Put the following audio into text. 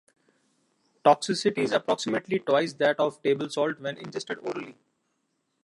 Toxicity is approximately twice that of table salt when ingested orally.